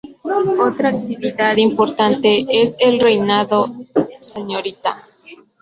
Otra actividad importante es el Reinado "Srta.